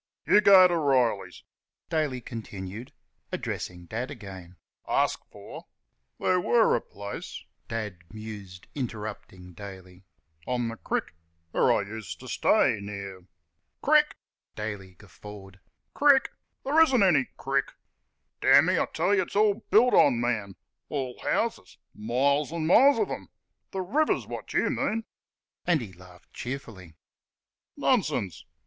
"You go t' Reilly's," Daly continued, addressing Dad again, "ask fer " "There were a place," Dad mused, interupting Daly, "on the crick, where I used t' stay; near " "Crick!" Daly guffawed. "Crick! ... there isn't any crick. ... Damme, I tell y' it's all built on, man; all houses miles and miles of 'em. Th' river's wot you mean!" And he laughed cheerfully. "Nonsense!"